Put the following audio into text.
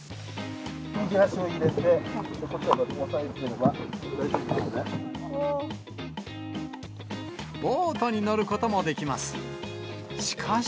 右足を入れて、ボートに乗ることもできます。